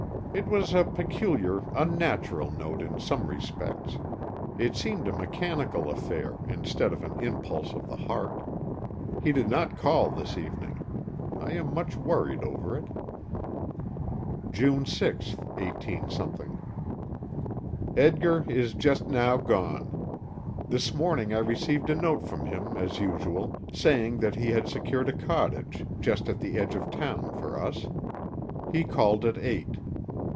It was a peculiar, unnatural note in some respects. It seemed a mechanical affair, instead of an impulse of the heart. He did not call this evening. I am much worried over it. June 6, 18 . Edgar is just now gone. This morning I received a note from him as usual, saying that he had secured a cottage just at the edge of town for us. He called at eight.